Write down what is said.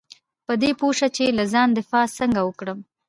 په دې پوه شه چې له ځان دفاع څنګه وکړم .